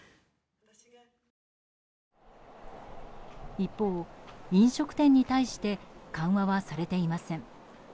一方、飲食店に対して緩和はされていません。